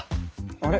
あれ？